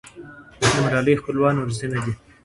د ملالۍ خپلوان نورزي نه دي.